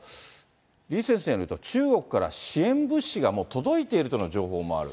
李先生によると、中国から支援物資がもう届いているというような情報もある。